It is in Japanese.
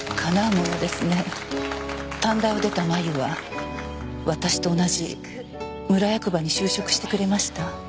短大を出た麻由は私と同じ村役場に就職してくれました。